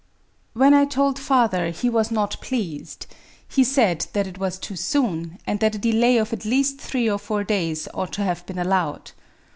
When I told father, he was not pleased. He said that it was too soon, and that a delay of at least three or four days ought to have been allowed.